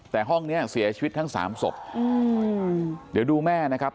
แต่ห้องเนี้ยเสียชีวิตทั้งสามศพอืมเดี๋ยวดูแม่นะครับ